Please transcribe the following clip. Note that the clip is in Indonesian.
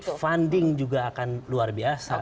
crowdfunding juga akan luar biasa